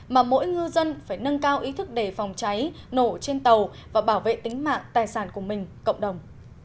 mà mỗi ngư dân phải nâng cao ý thức để phòng cháy nổ trên tàu và bảo vệ tính mạng tài sản của mình cộng đồng